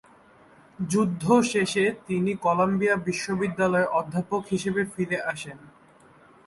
যুদ্ধ শেষে তিনি কলাম্বিয়া বিশ্ববিদ্যালয়ে অধ্যাপক হিসেবে ফিরে আসেন।